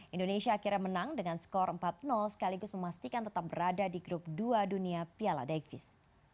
indonesia akhirnya menang dengan skor empat sekaligus memastikan tetap berada di grup dua dunia piala daifis